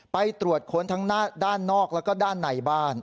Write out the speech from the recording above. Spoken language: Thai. ไปตรวจค้นทั้งด้านนอกแล้วก็ด้านในบ้าน